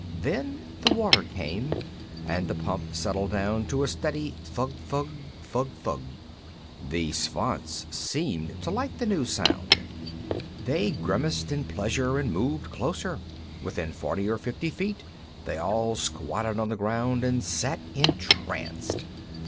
Then the water came, and the pump settled down to a steady thugg thugg, thugg thugg. The Svants seemed to like the new sound; they grimaced in pleasure and moved closer; within forty or fifty feet, they all squatted on the ground and sat entranced.